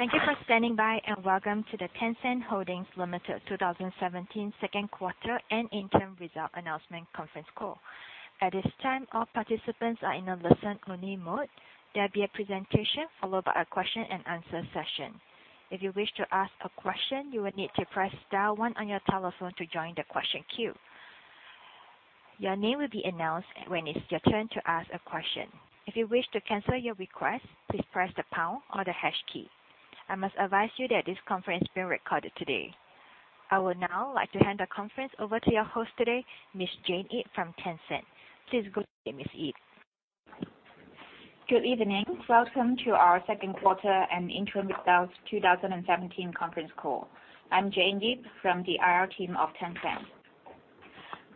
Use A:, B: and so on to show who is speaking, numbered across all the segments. A: Thank you for standing by, and welcome to the Tencent Holdings Limited 2017 second quarter and interim result announcement conference call. At this time, all participants are in a listen-only mode. There will be a presentation followed by a question and answer session. If you wish to ask a question, you will need to press dial one on your telephone to join the question queue. Your name will be announced when it is your turn to ask a question. If you wish to cancel your request, please press the pound or the hash key. I must advise you that this conference is being recorded today. I would now like to hand the conference over to your host today, Ms. Jane Yip from Tencent. Please go ahead, Ms. Yip.
B: Good evening. Welcome to our second quarter and interim results 2017 conference call. I am Jane Yip from the IR team of Tencent.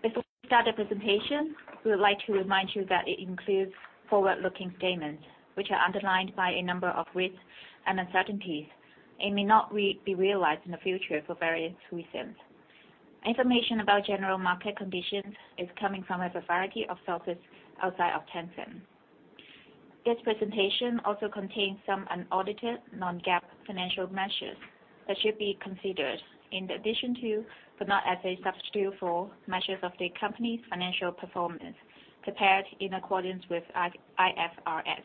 B: Before we start the presentation, we would like to remind you that it includes forward-looking statements, which are underlined by a number of risks and uncertainties, and may not be realized in the future for various reasons. Information about general market conditions is coming from a variety of sources outside of Tencent. This presentation also contains some unaudited non-GAAP financial measures that should be considered in addition to, but not as a substitute for, measures of the company's financial performance prepared in accordance with IFRS.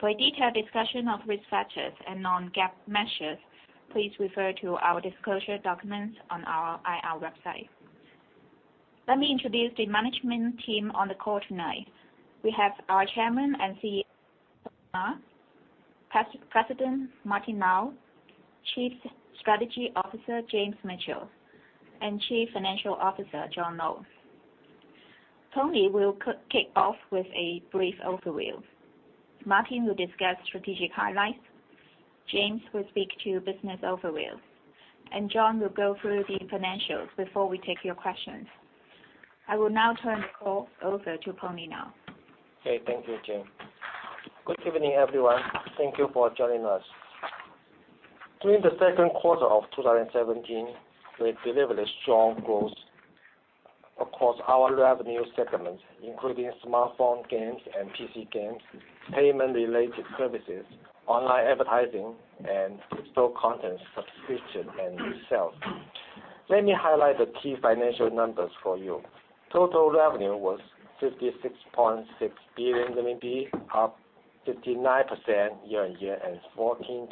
B: For a detailed discussion of risk factors and non-GAAP measures, please refer to our disclosure documents on our IR website. Let me introduce the management team on the call tonight. We have our Chairman and CEO, Pony Ma, President Martin Lau, Chief Strategy Officer James Mitchell, and Chief Financial Officer John Lo. Pony will kick off with a brief overview. Martin will discuss strategic highlights, James will speak to business overview, and John will go through the financials before we take your questions. I will now turn the call over to Pony Ma.
C: Okay. Thank you, Jane Yip. Good evening, everyone. Thank you for joining us. During the second quarter of 2017, we delivered a strong growth across our revenue segments, including smartphone games and PC games, payment related services, online advertising, and digital content subscription and sales. Let me highlight the key financial numbers for you. Total revenue was 56.6 billion RMB, up 59% year-on-year and 14%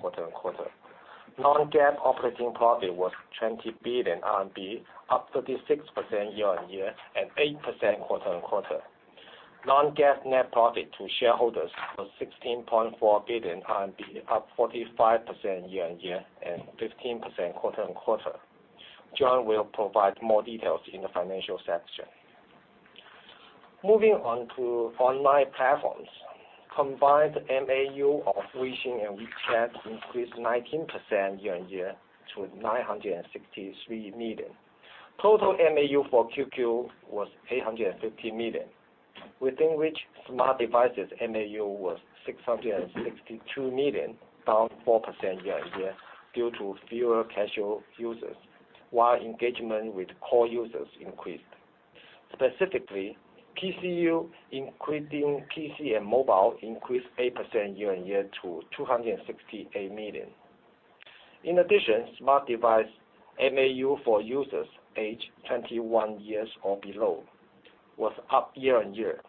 C: quarter-on-quarter. Non-GAAP operating profit was 20 billion RMB, up 36% year-on-year and 8% quarter-on-quarter. Non-GAAP net profit to shareholders was 16.4 billion RMB, up 45% year-on-year and 15% quarter-on-quarter. John will provide more details in the financial section. Moving on to online platforms. Combined MAU of WeChat increased 19% year-on-year to 963 million. Total MAU for QQ was 850 million, within which smart devices MAU was 662 million, down 4% year-on-year due to fewer casual users, while engagement with core users increased. Specifically, PCU, including PC and mobile, increased 8% year-on-year to 268 million. In addition, smart device MAU for users aged 21 years or below was up year-on-year,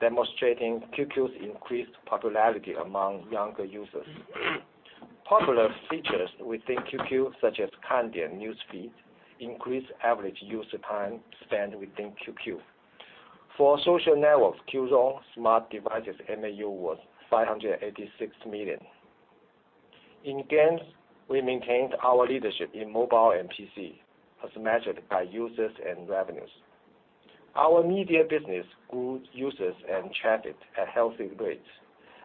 C: demonstrating QQ's increased popularity among younger users. Popular features within QQ such as Kandian and News Feed increased average user time spent within QQ. For social networks, Qzone smart devices MAU was 586 million. In games, we maintained our leadership in mobile and PC, as measured by users and revenues. Our media business grew users and traffic at healthy rates,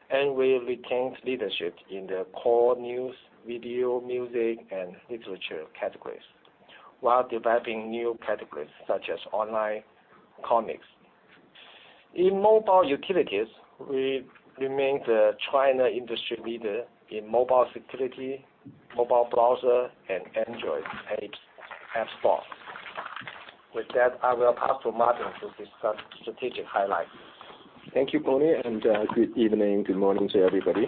C: and we retained leadership in the core news, video, music, and literature categories while developing new categories such as online comics. In mobile utilities, we remain the China industry leader in mobile security, mobile browser, and Android apps box. With that, I will pass to Martin to discuss strategic highlights.
D: Thank you, Pony, and good evening, good morning to everybody.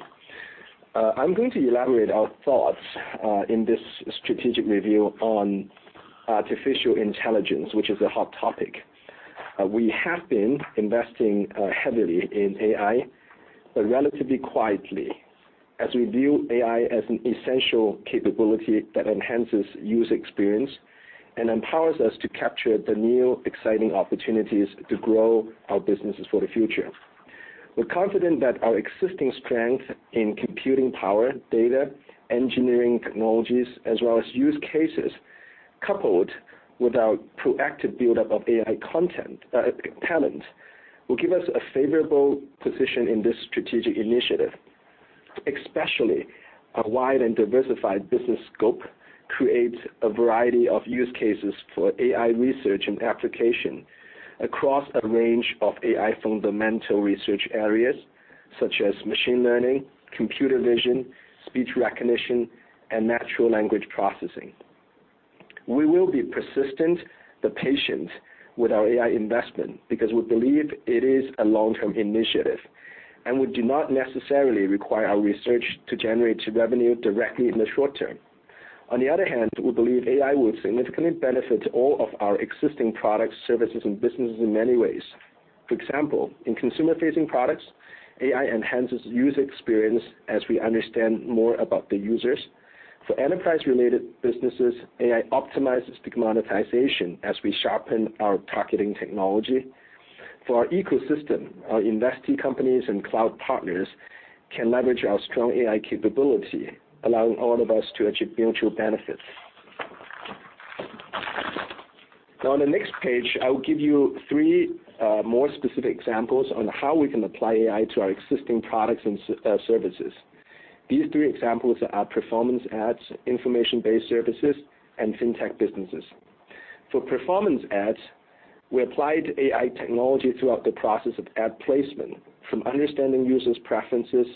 D: I'm going to elaborate our thoughts in this strategic review on artificial intelligence, which is a hot topic. We have been investing heavily in AI, but relatively quietly, as we view AI as an essential capability that enhances user experience and empowers us to capture the new exciting opportunities to grow our businesses for the future. We're confident that our existing strength in computing power, data, engineering technologies, as well as use cases, coupled with our proactive buildup of AI talent, will give us a favorable position in this strategic initiative, especially our wide and diversified business scope creates a variety of use cases for AI research and application across a range of AI fundamental research areas such as machine learning, computer vision, speech recognition, and natural language processing. We will be persistent, the patience with our AI investment because we believe it is a long-term initiative, and we do not necessarily require our research to generate revenue directly in the short term. On the other hand, we believe AI will significantly benefit all of our existing products, services, and businesses in many ways. For example, in consumer-facing products, AI enhances user experience as we understand more about the users. For enterprise-related businesses, AI optimizes big monetization as we sharpen our targeting technology. For our ecosystem, our investee companies and cloud partners can leverage our strong AI capability, allowing all of us to achieve mutual benefits. Now on the next page, I will give you three more specific examples on how we can apply AI to our existing products and services. These three examples are our performance ads, information-based services, and fintech businesses. For performance ads, we applied AI technology throughout the process of ad placement, from understanding users' preferences,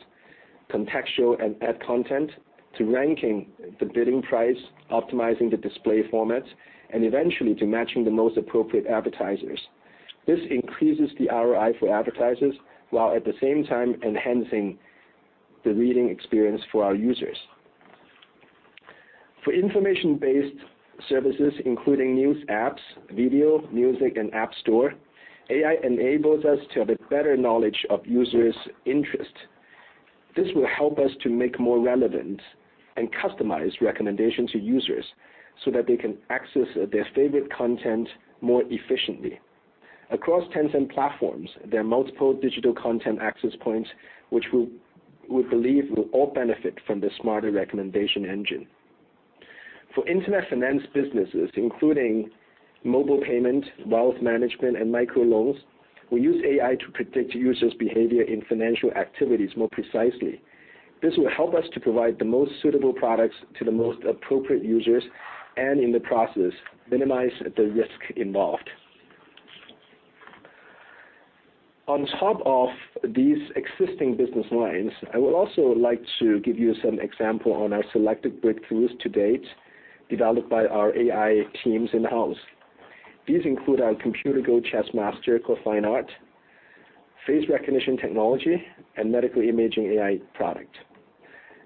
D: contextual and ad content, to ranking the bidding price, optimizing the display format, and eventually to matching the most appropriate advertisers. This increases the ROI for advertisers, while at the same time enhancing the reading experience for our users. For information-based services, including news apps, video, music, and app store, AI enables us to have a better knowledge of users' interest. This will help us to make more relevant and customized recommendations to users, so that they can access their favorite content more efficiently. Across Tencent platforms, there are multiple digital content access points, which we believe will all benefit from the smarter recommendation engine. For internet finance businesses, including mobile payment, wealth management, and micro loans, we use AI to predict users' behavior in financial activities more precisely. This will help us to provide the most suitable products to the most appropriate users, and in the process, minimize the risk involved. On top of these existing business lines, I would also like to give you some example on our selective breakthroughs to date developed by our AI teams in-house. These include our computer Go chess master called Fine Art, face recognition technology, and medical imaging AI product.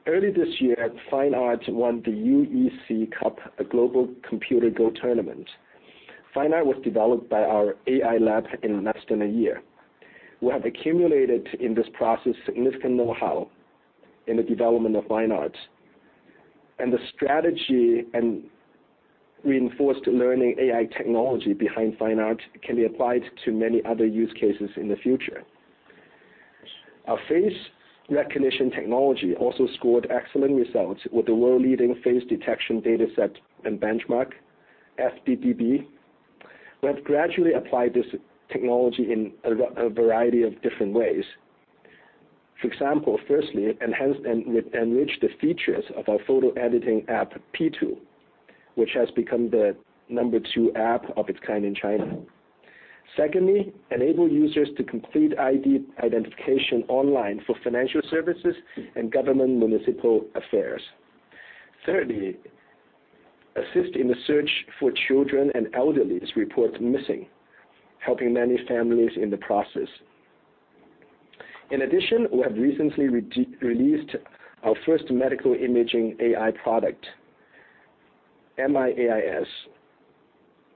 D: Early this year, Fine Art won the UEC Cup, a global computer Go tournament. Fine Art was developed by our AI Lab in less than a year. We have accumulated, in this process, significant know-how in the development of Fine Art, and the strategy and reinforced learning AI technology behind Fine Art can be applied to many other use cases in the future. Our face recognition technology also scored excellent results with the world-leading face detection dataset and benchmark, FDDB. We have gradually applied this technology in a variety of different ways. For example, firstly, enhance and enrich the features of our photo editing app, Pitu, which has become the number 2 app of its kind in China. Secondly, enable users to complete ID identification online for financial services and government municipal affairs. Thirdly, assist in the search for children and elderly reported missing, helping many families in the process. In addition, we have recently released our first medical imaging AI product, AIMIS,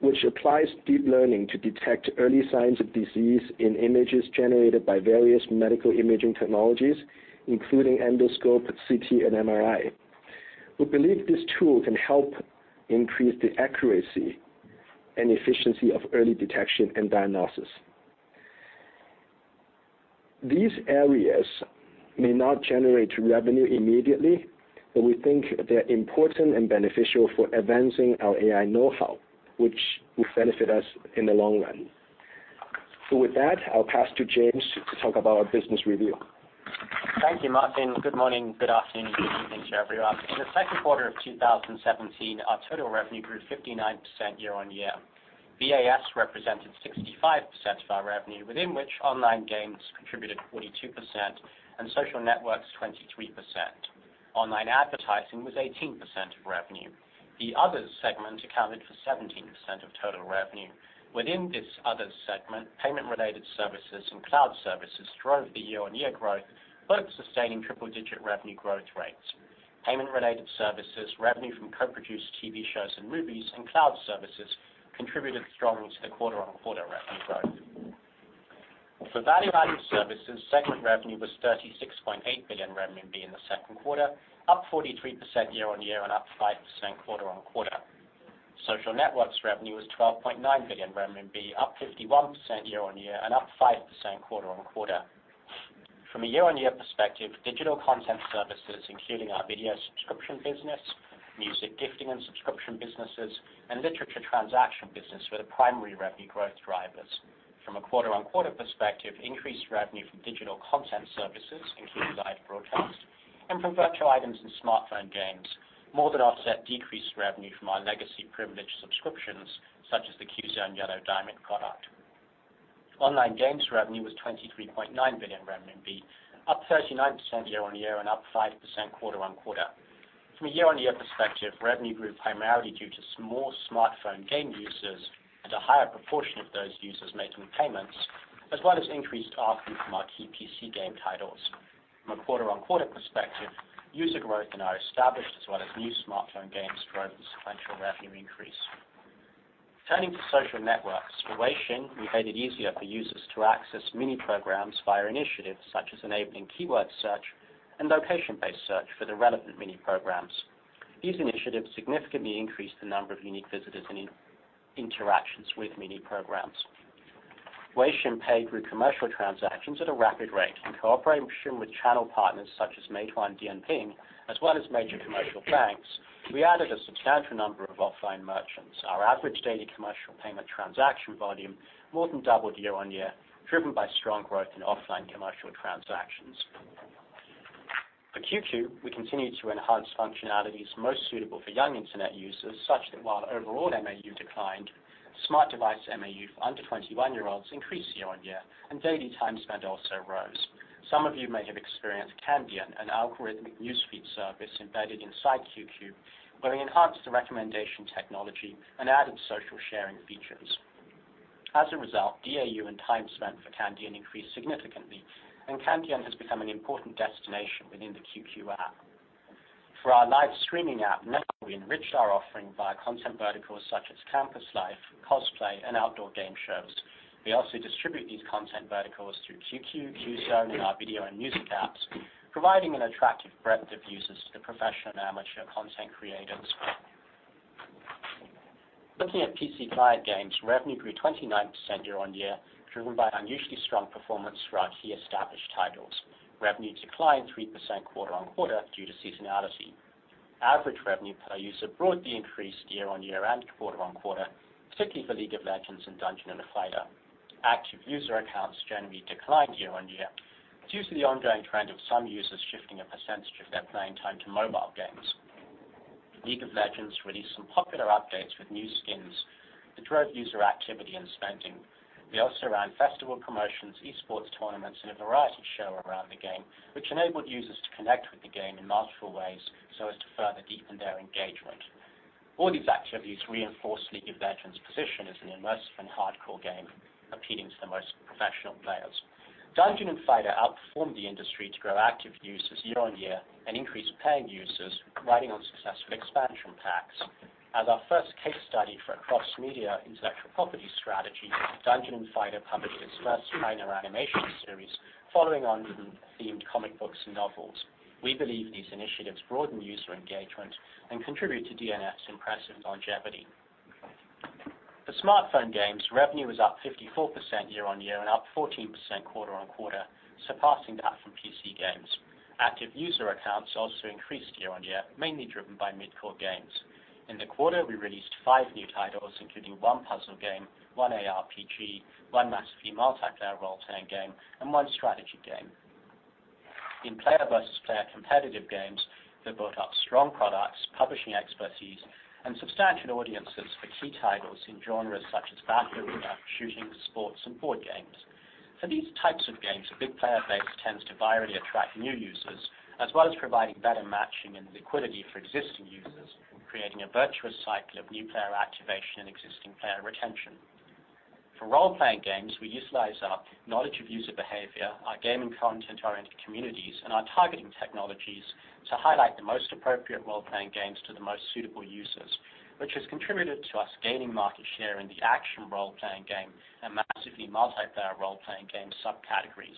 D: which applies deep learning to detect early signs of disease in images generated by various medical imaging technologies, including endoscope, CT, and MRI. We believe this tool can help increase the accuracy and efficiency of early detection and diagnosis. These areas may not generate revenue immediately, but we think they're important and beneficial for advancing our AI know-how, which will benefit us in the long run. With that, I'll pass to James to talk about our business review.
E: Thank you, Martin. Good morning, good afternoon, good evening to everyone. In the second quarter of 2017, our total revenue grew 59% year-on-year. VAS represented 65% of our revenue, within which online games contributed 42% and social networks 23%. Online advertising was 18% of revenue. The other segment accounted for 17% of total revenue. Within this other segment, payment-related services and cloud services drove the year-on-year growth, both sustaining triple-digit revenue growth rates. Payment-related services, revenue from co-produced TV shows and movies, and cloud services contributed strongly to the quarter-on-quarter revenue growth. For value-added services, segment revenue was 36.8 billion in the second quarter, up 43% year-on-year and up 5% quarter-on-quarter. Social networks revenue was 12.9 billion renminbi, up 51% year-on-year and up 5% quarter-on-quarter. From a year-on-year perspective, digital content services, including our video subscription business, music gifting and subscription businesses, and literature transaction business, were the primary revenue growth drivers. From a quarter-on-quarter perspective, increased revenue from digital content services, including live broadcast and from virtual items and smartphone games, more than offset decreased revenue from our legacy privilege subscriptions, such as the Qzone Yellow Diamond product. Online games revenue was 23.9 billion renminbi, up 39% year-on-year and up 5% quarter-on-quarter. From a year-on-year perspective, revenue grew primarily due to more smartphone game users and a higher proportion of those users making payments, as well as increased ARPU from our key PC game titles. From a quarter-on-quarter perspective, user growth in our established as well as new smartphone games drove the sequential revenue increase. Turning to social networks, for Weixin, we made it easier for users to access Mini Programs via initiatives such as enabling keyword search and location-based search for the relevant Mini Programs. These initiatives significantly increased the number of unique visitors and interactions with Mini Programs. Weixin paid through commercial transactions at a rapid rate. In cooperation with channel partners such as Meituan-Dianping, as well as major commercial banks, we added a substantial number of offline merchants. Our average daily commercial payment transaction volume more than doubled year-on-year, driven by strong growth in offline commercial transactions. For QQ, we continued to enhance functionalities most suitable for young internet users, such that while overall MAU declined, smart device MAU for under 21-year-olds increased year-on-year, and daily time spent also rose. Some of you may have experienced Kandian, an algorithmic news feed service embedded inside QQ, where we enhanced the recommendation technology and added social sharing features. As a result, DAU and time spent for Kandian increased significantly, and Kandian has become an important destination within the QQ app. For our live streaming app, NOW, we enriched our offering via content verticals such as campus life, cosplay, and outdoor game shows. We also distribute these content verticals through QQ, Qzone, and our video and music apps, providing an attractive breadth of users to professional and amateur content creators. Looking at PC client games, revenue grew 29% year-on-year, driven by unusually strong performance for our key established titles. Revenue declined 3% quarter-on-quarter due to seasonality. Average revenue per user broadly increased year-on-year and quarter-on-quarter, particularly for League of Legends and Dungeon and Fighter. Active user accounts generally declined year-on-year, due to the ongoing trend of some users shifting a percentage of their playing time to mobile games. League of Legends released some popular updates with new skins that drove user activity and spending. We also ran festival promotions, esports tournaments, and a variety show around the game, which enabled users to connect with the game in multiple ways so as to further deepen their engagement. All these activities reinforced League of Legends position as an immersive and hardcore game, appealing to the most professional players. Dungeon and Fighter outperformed the industry to grow active users year-on-year and increase paying users riding on successful expansion packs. As our first case study for a cross-media intellectual property strategy, Dungeon and Fighter published its first minor animation series, following on from themed comic books and novels. We believe these initiatives broaden user engagement and contribute to DNF's impressive longevity. For smartphone games, revenue was up 54% year-on-year and up 14% quarter-on-quarter, surpassing that from PC games. Active user accounts also increased year-on-year, mainly driven by mid-core games. In the quarter, we released five new titles, including one puzzle game, one ARPG, one massively multiplayer role-playing game, and one strategy game. In player versus player competitive games, they built up strong products, publishing expertise, and substantial audiences for key titles in genres such as battle arena, shooting, sports, and board games. For these types of games, a big player base tends to virally attract new users, as well as providing better matching and liquidity for existing users, creating a virtuous cycle of new player activation and existing player retention. For role-playing games, we utilize our knowledge of user behavior, our gaming content-oriented communities, and our targeting technologies to highlight the most appropriate role-playing games to the most suitable users, which has contributed to us gaining market share in the action role-playing game and massively multiplayer role-playing game subcategories.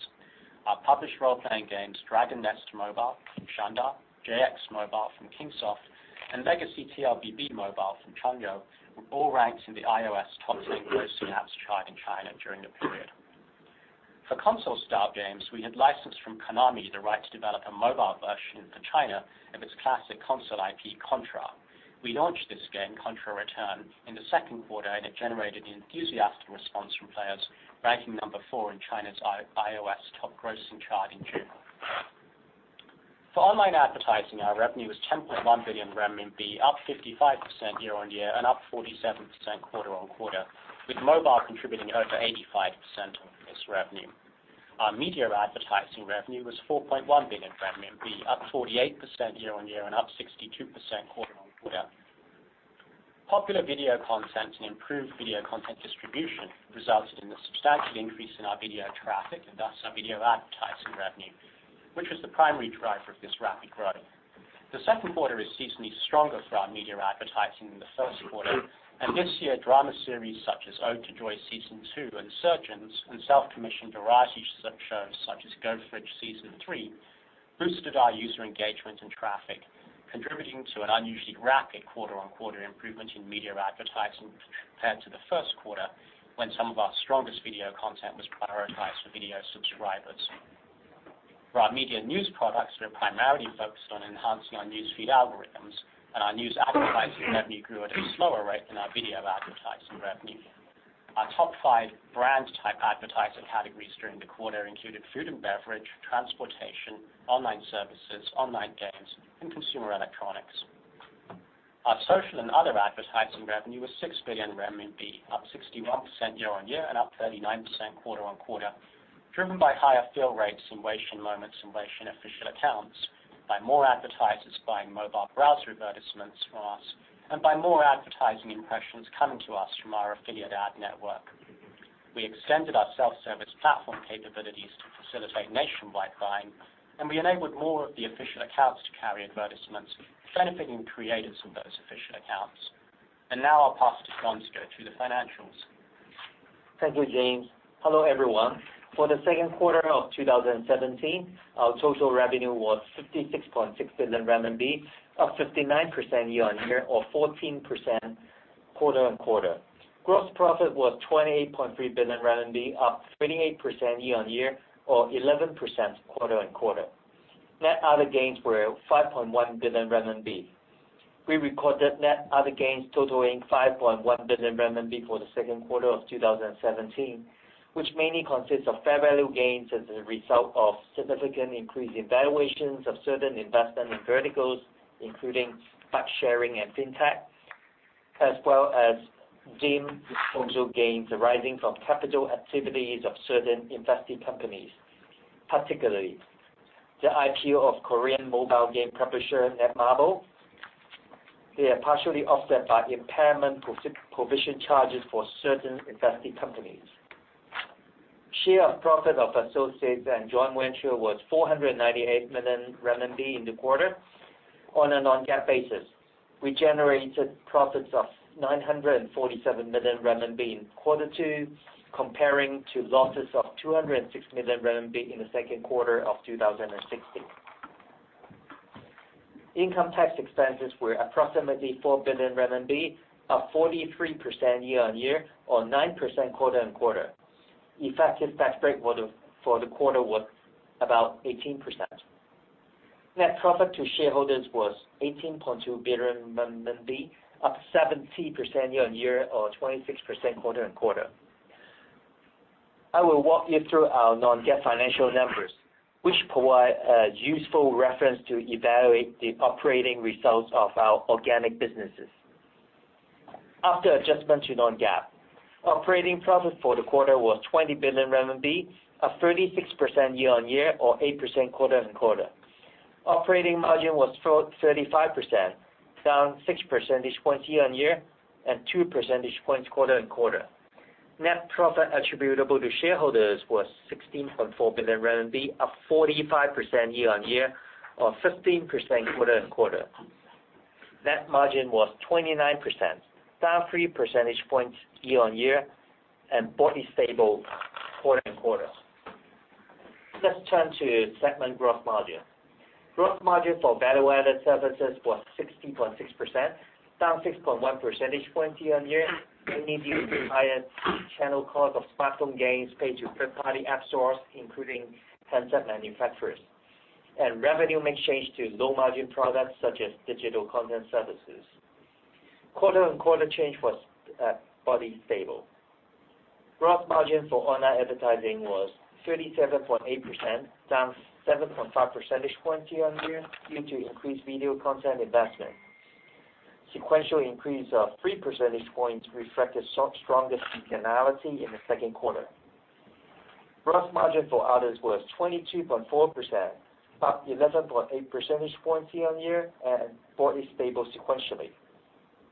E: Our published role-playing games, Dragon Nest Mobile from Shanda Games, JX Mobile from Kingsoft, and Legacy TLBB Mobile from Changyou were all ranked in the iOS top 10 grossing apps chart in China during the period. For console-style games, we had licensed from Konami the right to develop a mobile version for China of its classic console IP, Contra. We launched this game, Contra: Return, in the second quarter, and it generated an enthusiastic response from players, ranking number 4 in China's iOS top grossing chart in June. For online advertising, our revenue was 10.1 billion renminbi, up 55% year-on-year and up 47% quarter-on-quarter, with mobile contributing over 85% of this revenue. Our media advertising revenue was 4.1 billion, up 48% year-on-year and up 62% quarter-on-quarter. Popular video content and improved video content distribution resulted in a substantial increase in our video traffic, and thus our video advertising revenue, which was the primary driver of this rapid growth. The second quarter is seasonally stronger for our media advertising than the first quarter, and this year, drama series such as "Ode to Joy," Season 2 and "Surgeons," and self-commissioned variety shows such as "Go Fridge," Season 3, boosted our user engagement and traffic, contributing to an unusually rapid quarter-on-quarter improvement in media advertising compared to the first quarter when some of our strongest video content was prioritized for video subscribers. For our media news products, we are primarily focused on enhancing our news feed algorithms, and our news advertising revenue grew at a slower rate than our video advertising revenue. Our top 5 brand type advertising categories during the quarter included food and beverage, transportation, online services, online games, and consumer electronics. Our social and other advertising revenue was 6 billion RMB, up 61% year-on-year and up 39% quarter-on-quarter, driven by higher fill rates in WeChat Moments and WeChat official accounts, by more advertisers buying mobile browser advertisements from us, and by more advertising impressions coming to us from our affiliate ad network. We extended our self-service platform capabilities to facilitate nationwide buying, and we enabled more of the official accounts to carry advertisements, benefiting creators of those official accounts. Now I'll pass to John Lo through the financials.
F: Thank you, James. Hello, everyone. For the second quarter of 2017, our total revenue was 56.6 billion RMB, up 59% year-on-year or 14% quarter-on-quarter. Gross profit was 28.3 billion RMB, up 28% year-on-year or 11% quarter-on-quarter. Net other gains were 5.1 billion RMB. We recorded net other gains totaling 5.1 billion RMB for the second quarter of 2017, which mainly consists of fair value gains as a result of significant increase in valuations of certain investment in verticals, including bike sharing and fintech, as well as game gains arising from capital activities of certain invested companies, particularly the IPO of Korean mobile game publisher Netmarble. They are partially offset by impairment provision charges for certain invested companies. Share of profit of associates and joint venture was 498 million RMB in the quarter. On a non-GAAP basis, we generated profits of 947 million RMB in Quarter Two, comparing to losses of 206 million RMB in the second quarter of 2016. Income tax expenses were approximately 4 billion RMB, up 43% year-on-year or 9% quarter-on-quarter. Effective tax rate for the quarter was about 18%. Net profit to shareholders was 18.2 billion RMB, up 70% year-on-year or 26% quarter-on-quarter. I will walk you through our non-GAAP financial numbers, which provide a useful reference to evaluate the operating results of our organic businesses. After adjustment to non-GAAP, operating profit for the quarter was 20 billion RMB, up 36% year-on-year or 8% quarter-on-quarter. Operating margin was 35%, down 6 percentage points year-on-year and 2 percentage points quarter-on-quarter. Net profit attributable to shareholders was 16.4 billion RMB, up 45% year-on-year or 15% quarter-on-quarter. Net margin was 29%, down 3 percentage points year-on-year and broadly stable quarter-on-quarter. Let's turn to segment gross margin. Gross margin for value-added services was 60.6%, down 6.1 percentage points year-on-year, mainly due to higher channel cost of platform gains paid to third-party app stores, including Tencent manufacturers. Revenue mix change to low-margin products such as digital content services. Quarter-on-quarter change was broadly stable. Gross margin for online advertising was 37.8%, down 7.5 percentage points year-on-year due to increased video content investment. Sequential increase of 3 percentage points reflected stronger seasonality in the second quarter. Gross margin for others was 22.4%, up 11.8 percentage points year-on-year and broadly stable sequentially.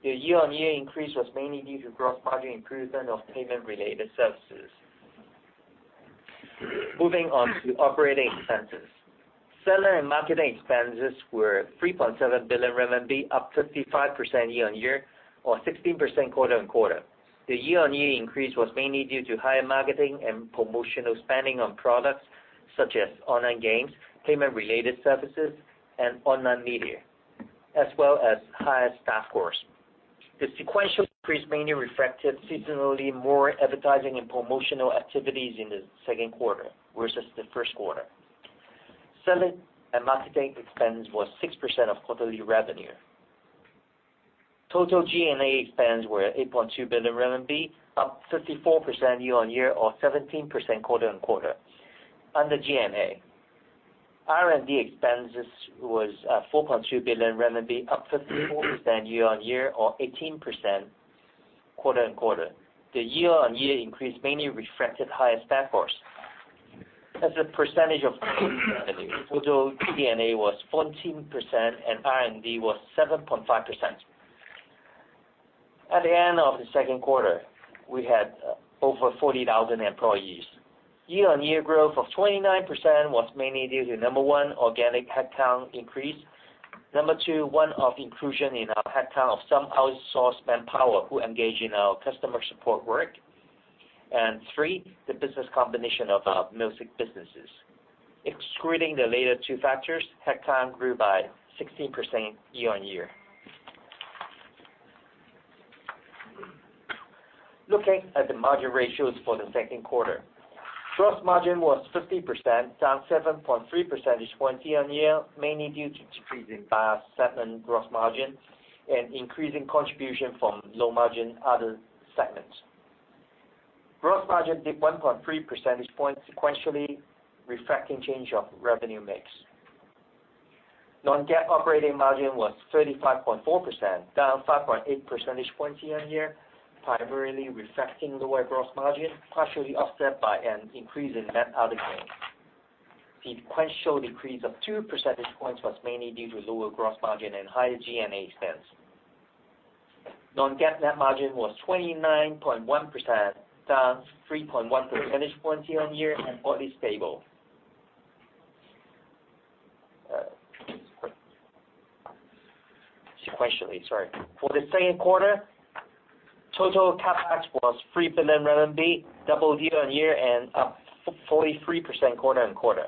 F: The year-on-year increase was mainly due to gross margin improvement of payment-related services. Moving on to operating expenses. Selling and marketing expenses were 3.7 billion RMB, up 55% year-on-year or 16% quarter-on-quarter. The year-on-year increase was mainly due to higher marketing and promotional spending on products such as online games, payment-related services, and online media, as well as higher staff costs. The sequential increase mainly reflected seasonally more advertising and promotional activities in the second quarter versus the first quarter. Selling and marketing expense was 6% of quarterly revenue. Total G&A expenses were 8.2 billion RMB, up 54% year-on-year or 17% quarter-on-quarter. Under G&A, R&D expenses was 4.2 billion renminbi, up 54% year-on-year or 18% quarter-on-quarter. The year-on-year increase mainly reflected higher staff costs. As a percentage of revenue, total G&A was 14% and R&D was 7.5%. At the end of the second quarter, we had over 40,000 employees. Year-on-year growth of 29% was mainly due to, Number 1, organic headcount increase. Number 2, one-off inclusion in our headcount of some outsourced manpower who engage in our customer support work. 3, the business combination of our music businesses. Excluding the later two factors, headcount grew by 16% year-on-year. Looking at the margin ratios for the second quarter. Gross margin was 50%, down 7.3 percentage points year-on-year mainly due to decrease in [inaudible] gross margin and increase in contribution from low-margin other segments. Gross margin dipped 1.3 percentage points sequentially, reflecting change of revenue mix. Non-GAAP operating margin was 35.4%, down 5.8 percentage points year-on-year, primarily reflecting lower gross margin, partially offset by an increase in net other gains. The sequential decrease of 2 percentage points was mainly due to lower gross margin and higher G&A expense. Non-GAAP net margin was 29.1%, down 3.1 percentage points year-on-year and broadly stable sequentially. Sorry. For the second quarter, total CapEx was 3 billion RMB, double year-on-year and up 43% quarter-on-quarter.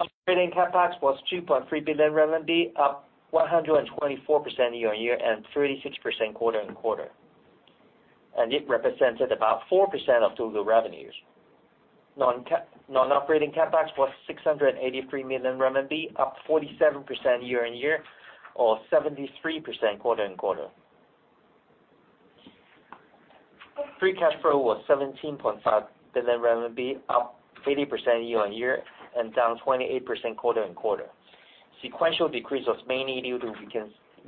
F: Operating CapEx was 2.3 billion RMB, up 124% year-on-year and 36% quarter-on-quarter. It represented about 4% of total revenues. Non-operating CapEx was RMB 683 million, up 47% year-on-year or 73% quarter-on-quarter. Free cash flow was 17.5 billion RMB, up 50% year-on-year and down 28% quarter-on-quarter. Sequential decrease was mainly due to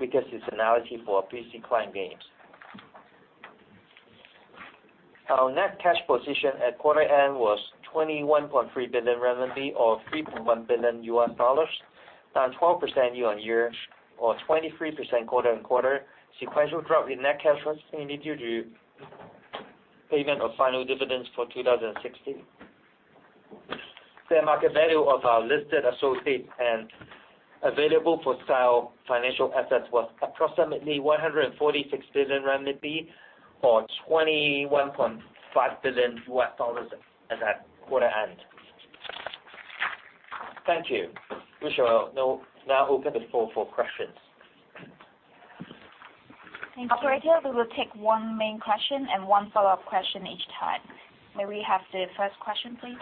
F: weaker seasonality for PC client games. Our net cash position at quarter end was 21.3 billion renminbi or $3.1 billion, down 12% year-on-year or 23% quarter-on-quarter. Sequential drop in net cash was mainly due to payment of final dividends for 2016. Fair market value of our listed associates and available-for-sale financial assets was approximately 146 billion RMB or $21.5 billion at quarter end. Thank you. We shall now open the floor for questions.
A: Thank you.
B: Operator, we will take one main question and one follow-up question each time. May we have the first question, please?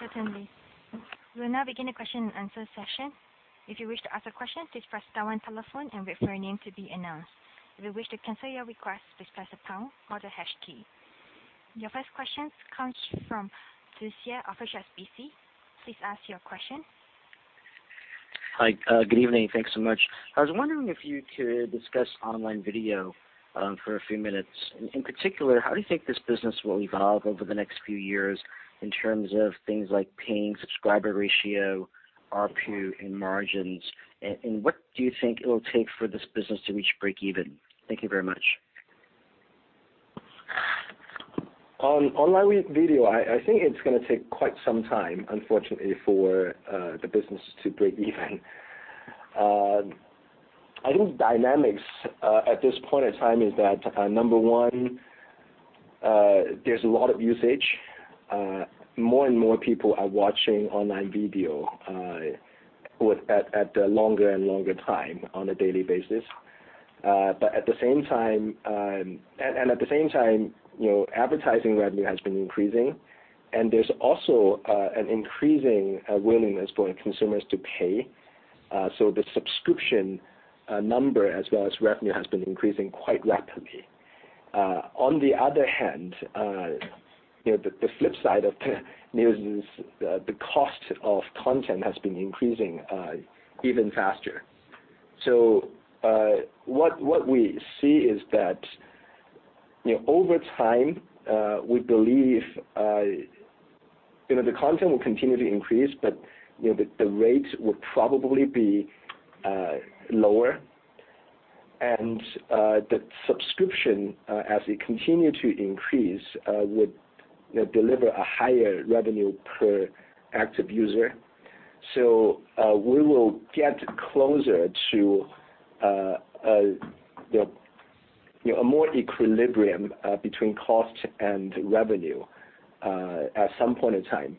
A: Certainly. We will now begin the question and answer session. If you wish to ask a question, please press star on telephone and wait for your name to be announced. If you wish to cancel your request, please press the pound or the hash key. Your first question comes from Chi Tsang, of HSBC. Please ask your question.
G: Hi. Good evening. Thanks so much. I was wondering if you could discuss online video for a few minutes. In particular, how do you think this business will evolve over the next few years in terms of things like paying subscriber ratio, ARPU, and margins? What do you think it will take for this business to reach breakeven? Thank you very much.
F: On online video, I think it's gonna take quite some time, unfortunately, for the business to breakeven. I think dynamics, at this point in time, is that, number 1, there's a lot of usage. More and more people are watching online video at a longer and longer time on a daily basis. At the same time, advertising revenue has been increasing, and there's also an increasing willingness for consumers to pay. The subscription number as well as revenue has been increasing quite rapidly. On the other hand, the flip side of the news is the cost of content has been increasing even faster. What we see is that over time, we believe the content will continue to increase, but the rates will probably be lower. The subscription, as it continue to increase, would deliver a higher revenue per active user. We will get closer to a more equilibrium between cost and revenue at some point in time.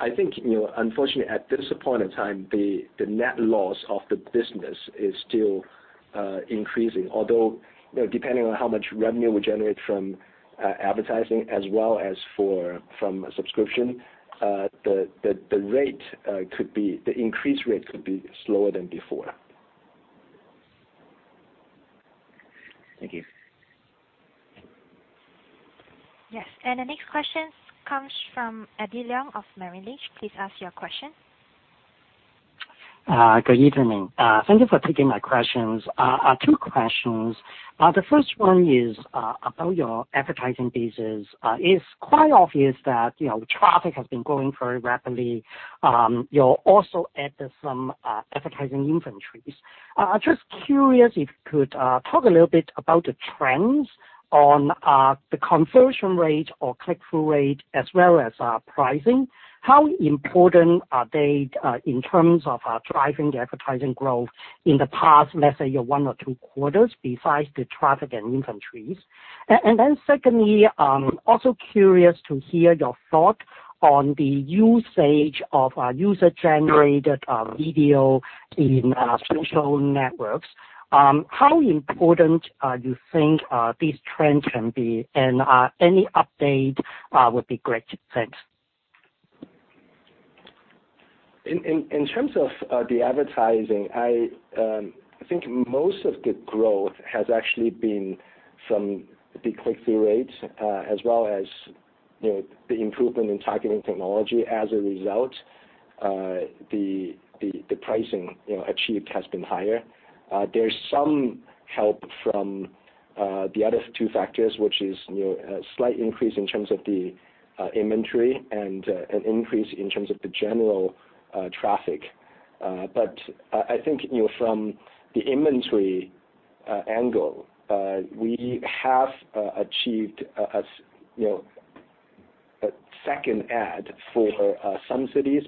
F: I think unfortunately at this point in time, the net loss of the business is still increasing. Although, depending on how much revenue we generate from advertising as well as from subscription, the increased rate could be slower than before.
G: Thank you.
A: Yes. The next question comes from Eddie Leung of Merrill Lynch. Please ask your question.
H: Good evening. Thank you for taking my questions. Two questions. The first one is about your advertising business. It's quite obvious that traffic has been growing very rapidly. You're also added some advertising inventories. I'm just curious if you could talk a little bit about the trends on the conversion rate or click-through rate as well as pricing. How important are they in terms of driving the advertising growth in the past, let's say, one or two quarters besides the traffic and inventories? Secondly, also curious to hear your thought on the usage of user-generated video in social networks. How important you think this trend can be, and any update would be great. Thanks.
D: In terms of the advertising, I think most of the growth has actually been from the click-through rates as well as the improvement in targeting technology. As a result, the pricing achieved has been higher. There's some help from the other two factors, which is a slight increase in terms of the inventory and an increase in terms of the general traffic. I think from the inventory angle, we have achieved a second ad for some cities.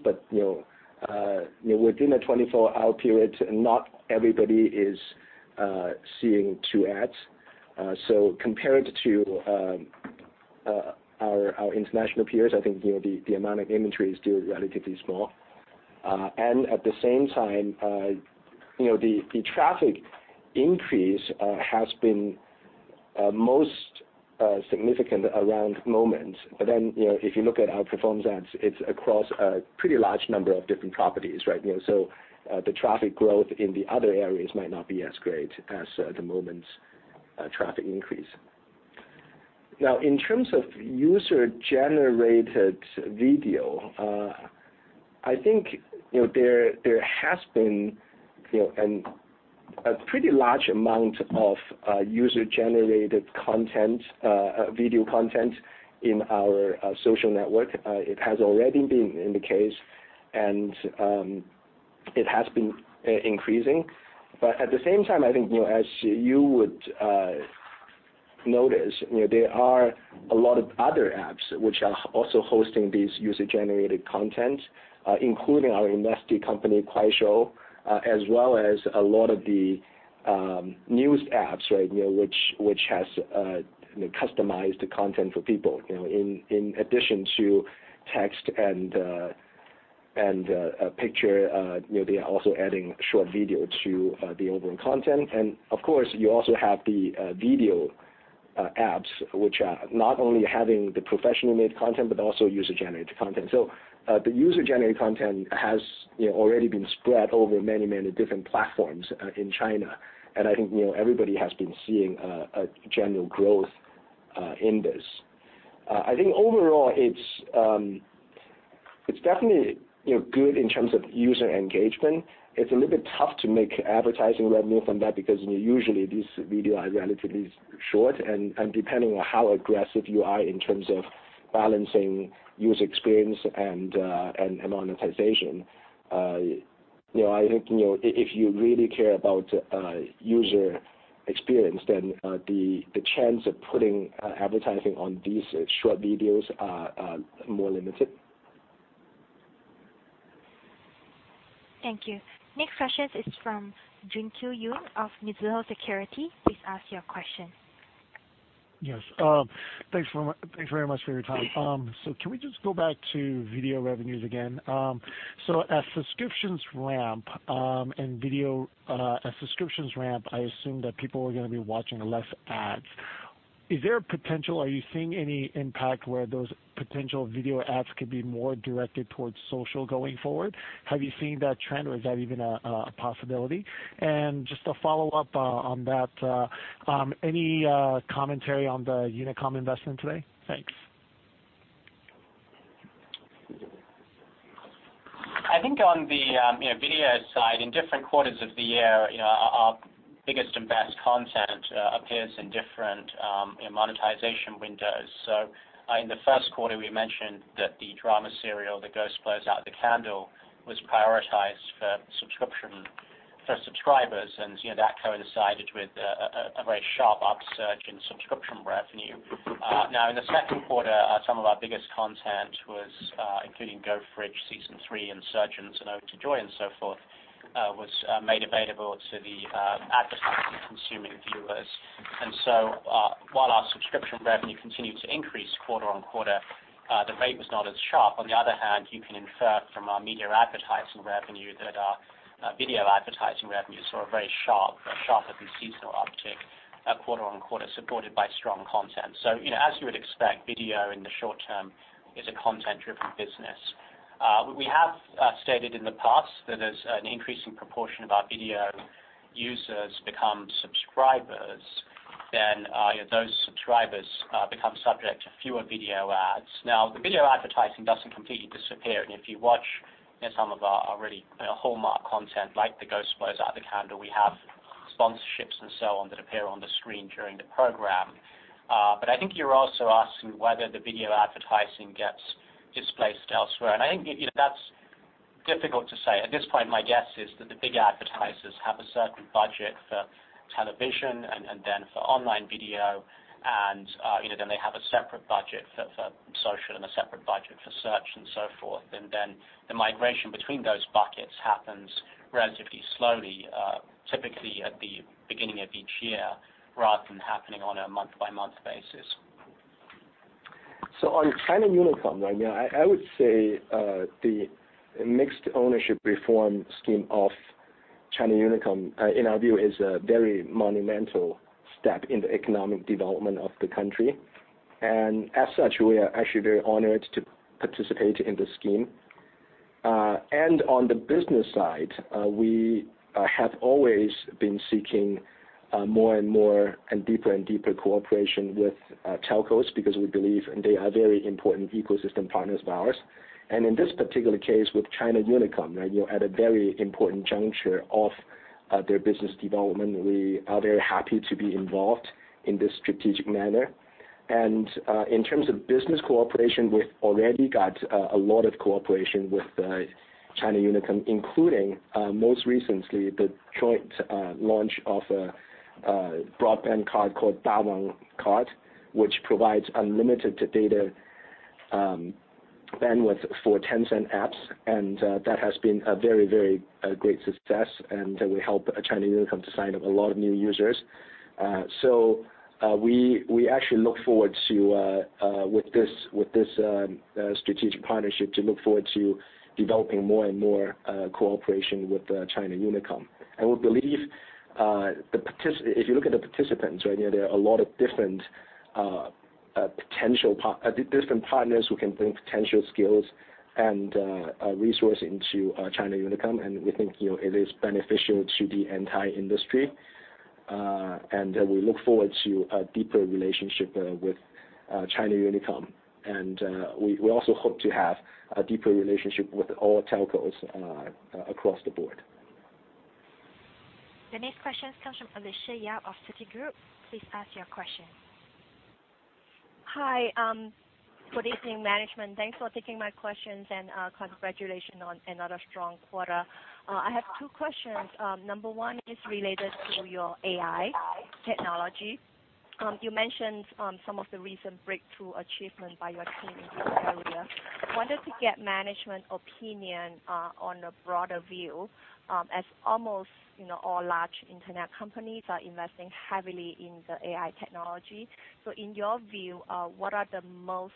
D: Within a 24-hour period, not everybody is seeing two ads. Compared to our international peers, I think the amount of inventory is still relatively small. At the same time, the traffic increase has been most significant around Moments. If you look at our performance ads, it's across a pretty large number of different properties, right? The traffic growth in the other areas might not be as great as the Moments traffic increase. Now, in terms of user-generated video, I think there has been a pretty large amount of user-generated video content in our social network. It has already been the case, and it has been increasing. At the same time, I think as you would notice, there are a lot of other apps which are also hosting these user-generated content, including our invested company, Kuaishou, as well as a lot of the news apps, right, which has customized content for people. In addition to text and picture, they are also adding short video to the overall content. Of course, you also have the video apps, which are not only having the professionally made content, but also user-generated content. The user-generated content has already been spread over many different platforms in China. I think everybody has been seeing a general growth in this. I think overall, it's definitely good in terms of user engagement. It's a little bit tough to make advertising revenue from that because usually these videos are relatively short, and depending on how aggressive you are in terms of balancing user experience and monetization, I think if you really care about user experience, then the chance of putting advertising on these short videos are more limited.
A: Thank you. Next question is from Junkyu Yoon of Mizuho Securities. Please ask your question.
I: Yes. Thanks very much for your time. Can we just go back to video revenues again? As subscriptions ramp, I assume that people are going to be watching less ads. Are you seeing any impact where those potential video ads could be more directed towards social going forward? Have you seen that trend, or is that even a possibility? Just to follow up on that, any commentary on the Unicom investment today? Thanks.
E: I think on the video side, in different quarters of the year, our biggest and best content appears in different monetization windows. In the first quarter, we mentioned that the drama serial, "The Ghost Blows Out the Candle," was prioritized for subscribers, and that coincided with a very sharp upsurge in subscription revenue. In the second quarter, some of our biggest content was including "Go Fridge" season three, "Surgeons," and "Ode to Joy" and so forth, was made available to the advertising-consuming viewers. While our subscription revenue continued to increase quarter-on-quarter, the rate was not as sharp. On the other hand, you can infer from our media advertising revenue that our video advertising revenues saw a very sharp, a sharper than seasonal uptick quarter-on-quarter, supported by strong content. As you would expect, video in the short term is a content-driven business. We have stated in the past that as an increasing proportion of our video users become subscribers, then those subscribers become subject to fewer video ads. The video advertising doesn't completely disappear, and if you watch some of our really hallmark content, like "The Ghost Blows Out the Candle," we have sponsorships and so on that appear on the screen during the program. I think you're also asking whether the video advertising gets displaced elsewhere, and I think that's difficult to say. At this point, my guess is that the big advertisers have a certain budget for television and then for online video, and then they have a separate budget for social and a separate budget for search and so forth. The migration between those buckets happens relatively slowly, typically at the beginning of each year rather than happening on a month-by-month basis.
D: On China Unicom, I would say the mixed ownership reform scheme of China Unicom, in our view, is a very monumental step in the economic development of the country. As such, we are actually very honored to participate in this scheme. On the business side, we have always been seeking more and more and deeper and deeper cooperation with telcos because we believe they are very important ecosystem partners of ours. In this particular case with China Unicom, at a very important juncture of their business development, we are very happy to be involved in this strategic manner. In terms of business cooperation, we've already got a lot of cooperation with China Unicom, including, most recently, the joint launch of a broadband card called Dawang Card, which provides unlimited data bandwidth for Tencent apps. That has been a very great success, and we help China Unicom to sign up a lot of new users. We actually, with this strategic partnership, look forward to developing more and more cooperation with China Unicom. We believe, if you look at the participants, there are a lot of different partners who can bring potential skills and resources into China Unicom, and we think it is beneficial to the entire industry. We look forward to a deeper relationship with China Unicom. We also hope to have a deeper relationship with all telcos across the board.
A: The next question comes from Alicia Yap of Citigroup. Please ask your question.
J: Hi. Good evening, management. Thanks for taking my questions, and congratulations on another strong quarter. I have two questions. Number 1 is related to your AI technology. You mentioned some of the recent breakthrough achievement by your team in this area. Wanted to get management opinion on a broader view, as almost all large internet companies are investing heavily in the AI technology. In your view, what are the most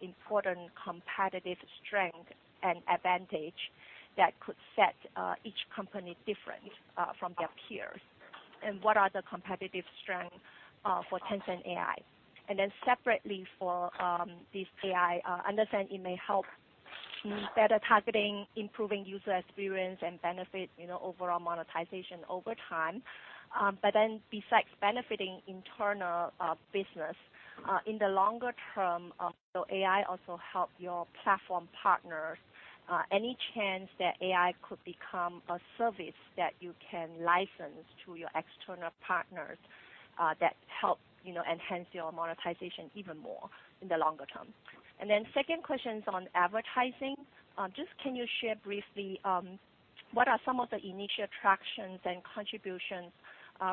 J: important competitive strength and advantage that could set each company different from their peers? What are the competitive strength for Tencent AI? Separately for this AI, I understand it may help in better targeting, improving user experience, and benefit overall monetization over time. Besides benefiting internal business, in the longer term, will AI also help your platform partners? Any chance that AI could become a service that you can license to your external partners that help enhance your monetization even more in the longer term? The 2nd question is on advertising. Just can you share briefly, what are some of the initial attractions and contributions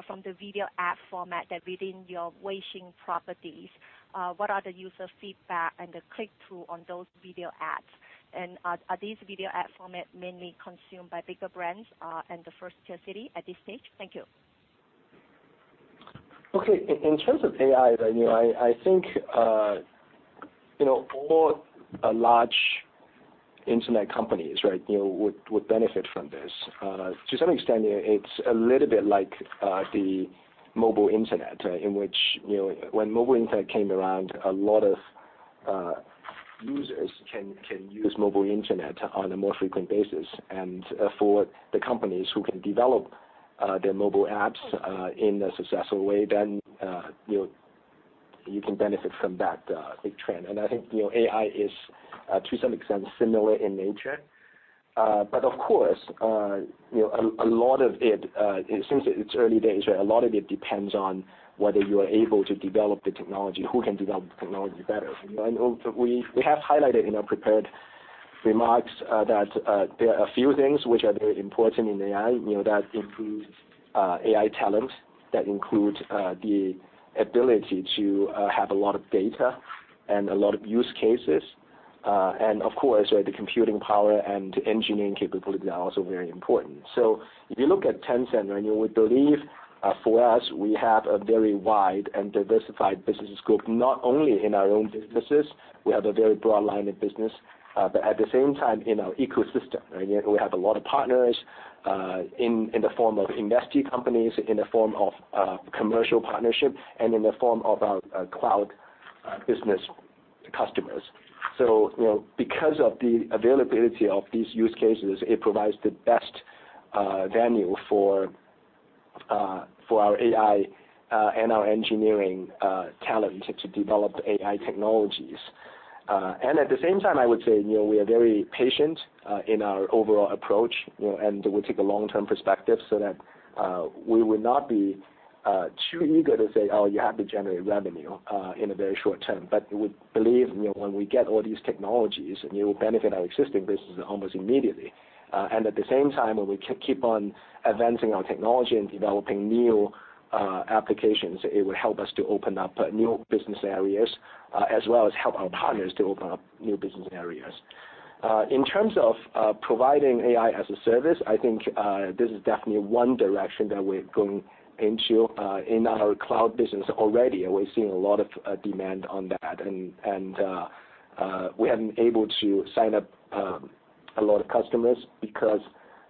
J: from the video ad format within your Weixin properties? What are the user feedback and the click-through on those video ads? Are these video ad format mainly consumed by bigger brands in the 1st-tier city at this stage? Thank you.
D: Okay. In terms of AI, I think all large internet companies would benefit from this. To some extent, it's a little bit like the mobile internet, in which when mobile internet came around, a lot of users can use mobile internet on a more frequent basis. For the companies who can develop their mobile apps in a successful way, then you can benefit from that big trend. I think AI is, to some extent, similar in nature. Of course, since it's early days, a lot of it depends on whether you are able to develop the technology, who can develop the technology better. We have highlighted in our prepared remarks that there are a few things which are very important in AI. That includes AI talent, that includes the ability to have a lot of data and a lot of use cases. Of course, the computing power and engineering capabilities are also very important. If you look at Tencent, you would believe, for us, we have a very wide and diversified business scope, not only in our own businesses, we have a very broad line of business, but at the same time, in our ecosystem. We have a lot of partners in the form of investee companies, in the form of commercial partnership, and in the form of our cloud business customers. Because of the availability of these use cases, it provides the best venue for our AI and our engineering talent to develop AI technologies. At the same time, I would say we are very patient in our overall approach, and we take a long-term perspective so that we will not be too eager to say, "Oh, you have to generate revenue in a very short term." We believe when we get all these technologies, it will benefit our existing businesses almost immediately. At the same time, when we keep on advancing our technology and developing new applications, it will help us to open up new business areas, as well as help our partners to open up new business areas. In terms of providing AI as a service, I think this is definitely one direction that we're going into. In our cloud business already, we're seeing a lot of demand on that, and we have been able to sign up a lot of customers because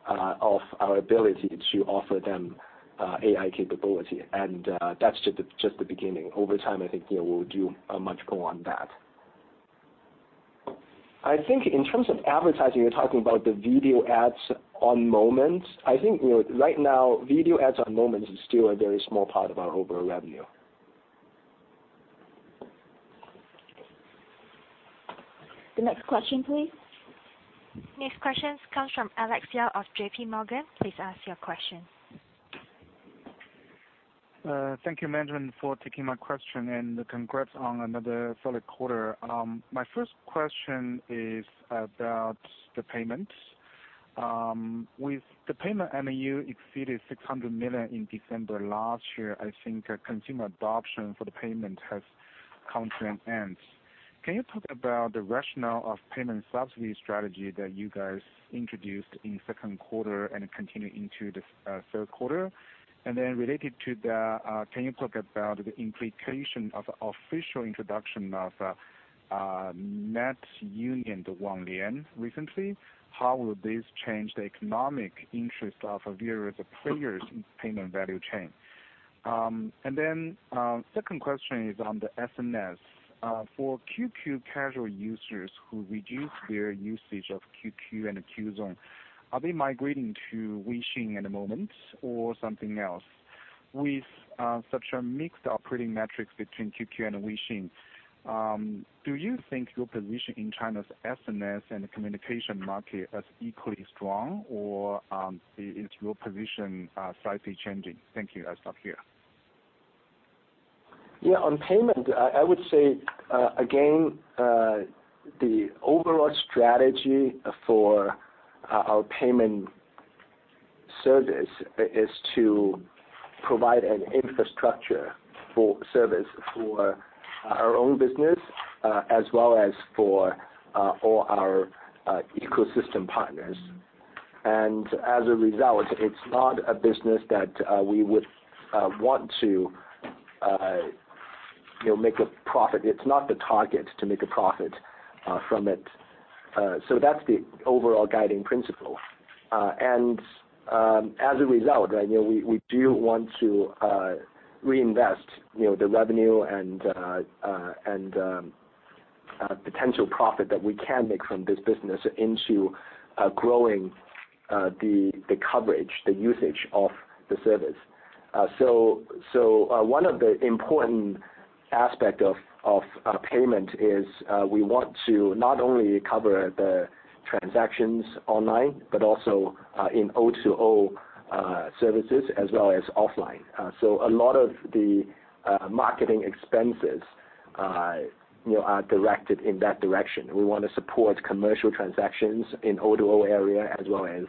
D: of our ability to offer them AI capability, and that's just the beginning. Over time, I think we will do much more on that. I think in terms of advertising, you're talking about the video ads on Moments. I think right now, video ads on Moments is still a very small part of our overall revenue.
B: The next question, please.
A: Next questions comes from Alex Yao of J.P. Morgan. Please ask your question.
K: Thank you, Martin, for taking my question, and congrats on another solid quarter. My first question is about the payment. With the payment, MAU exceeded 600 million in December last year. I think consumer adoption for the payment has come to an end. Can you talk about the rationale of payment subsidy strategy that you guys introduced in the second quarter and continue into the third quarter? Related to that, can you talk about the implication of official introduction of NetsUnion, the Wanglian, recently? How will this change the economic interest of various players in payment value chain? Second question is on the SMS. For QQ casual users who reduce their usage of QQ and Qzone, are they migrating to Weixin at the moment or something else? With such a mixed operating metrics between QQ and Weixin, do you think your position in China's SMS and communication market is equally strong, or is your position slightly changing? Thank you. I'll stop here.
D: Yeah. On payment, I would say, again, the overall strategy for our payment service is to provide an infrastructure for service for our own business, as well as for all our ecosystem partners. As a result, it's not a business that we would want to make a profit. It's not the target to make a profit from it. That's the overall guiding principle. As a result, we do want to reinvest the revenue and potential profit that we can make from this business into growing the coverage, the usage of the service. One of the important aspect of payment is we want to not only cover the transactions online, but also in O2O services as well as offline. A lot of the marketing expenses are directed in that direction. We want to support commercial transactions in O2O area as well as